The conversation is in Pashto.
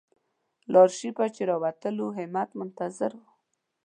له آرشیفه چې راووتلو همت منتظر و.